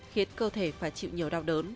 khiến cơ thể phải chịu nhiều đau đớn